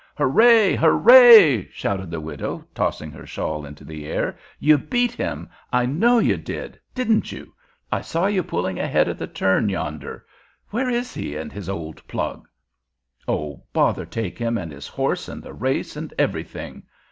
"Hooray! hooray!" shouted the widow, tossing her shawl into the air. "You beat him. I know you did. Didn't you? I saw you pulling ahead at the turn yonder. Where is he and his old plug?" "Oh, bother take him and his horse and the race and everything.